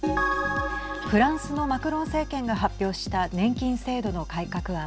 フランスのマクロン政権が発表した年金制度の改革案。